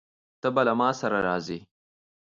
ته به له ما سره راځې؟